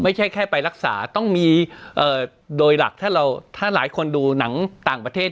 ไม่ใช่แค่ไปรักษาต้องมีโดยหลักถ้าเราถ้าหลายคนดูหนังต่างประเทศ